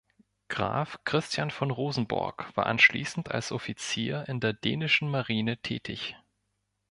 Graf Christian von Rosenborg war anschließend als Offizier in der dänischen Marine tätig.